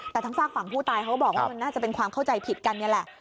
แต่ทางฝากฝั่งผู้ตายเขาก็บอกว่ามันน่าจะเป็นความเข้าใจผิดกันนี่แหละ